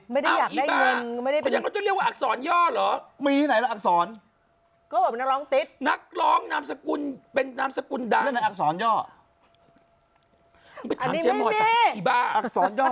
มันไม่มีจะบอกตัวเป็นใคร